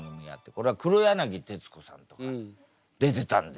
これは黒柳徹子さんとか出てたんですよ。